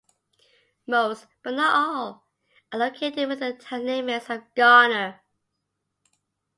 Most, but not all, are located within the town limits of Garner.